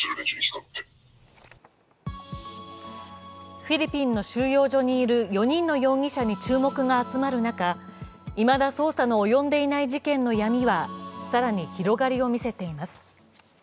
フィリピンの収容所にいる４人の容疑者に注目が集まる中いまだ捜査の及んでいない事件の闇は更に広がりを見せています。